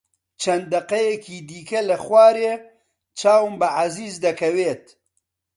چەند دەقەیەکی دیکە لە خوارێ چاوم بە عەزیز دەکەوێت.